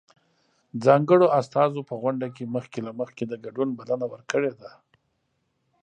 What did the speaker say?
ځانګړو استازو په غونډه کې مخکې له مخکې د ګډون بلنه ورکړې ده.